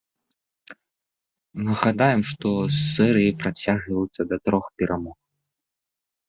Нагадаем, што серыі працягваюцца да трох перамог.